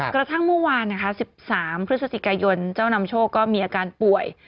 กระทั่งเมื่อวานนะคะ๑๓พฤศจิกายนเจ้านำโชคก็มีอาการป่วย